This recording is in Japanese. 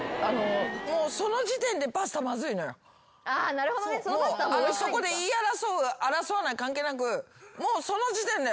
あなるほどね。そこで言い争う争わない関係なくもうその時点で。